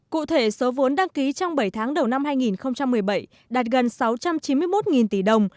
cụ thể số vốn đăng ký trong bảy tháng đầu năm hai nghìn một mươi bảy đạt gần sáu trăm chín mươi một tỷ đồng